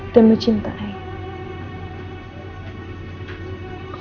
dan memiliki kekuatan yang sangat baik